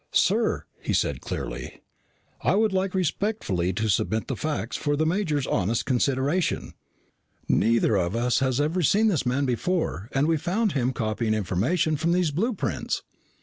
"Sir," he said clearly, "I would like respectfully to submit the facts for the major's honest consideration. Neither of us has ever seen this man before and we found him copying information from these blueprints.